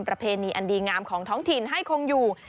ประเพณีอันดีงามของท้องถิ่นให้คงอยู่